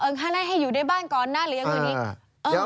เอิงให้อยู่ในบ้านก่อนหน้าหรืออย่างนี้